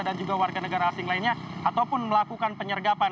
dan juga warga negara asing lainnya ataupun melakukan penyergapan